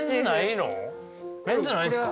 メンズないんですか？